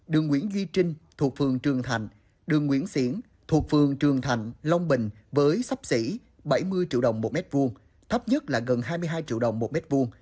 đường nguyễn duy trinh thuộc phường trường thành đường nguyễn siễn thuộc phường trường thành long bình với sắp xỉ bảy mươi triệu đồng một m hai thấp nhất là gần hai mươi hai triệu đồng một m hai